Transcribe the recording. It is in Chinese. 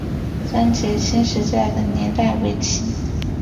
三捷青石寨的历史年代为清。